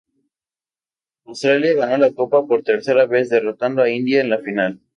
Australia ganó la Copa por tercera vez, derrotando a India en la final.